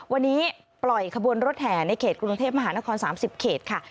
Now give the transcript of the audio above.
วันนี้ปล่อยขบวนรถแห่ในเขตกรุงเทพมหานคร๓๐เขตค่ะ